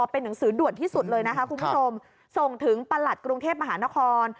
เป็นหนังสือด่วนที่สุดเลยนะคะคุณผู้ชมส่งถึงประหลัดกรุงเทพมหานคร